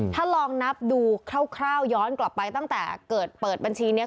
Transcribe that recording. ถ้าลองนับดูคร่าวย้อนกลับไปตั้งแต่เกิดเปิดบัญชีนี้